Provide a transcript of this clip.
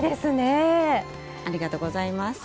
ありがとうございます。